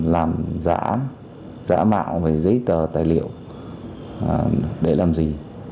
làm giả mạo về giấy tờ tài liệu để làm gì